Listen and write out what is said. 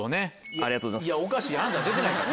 いやおかしいあんた出てないから。